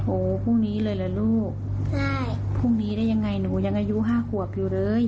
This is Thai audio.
พรุ่งนี้เลยล่ะลูกพรุ่งนี้ได้ยังไงหนูยังอายุห้าขวบอยู่เลย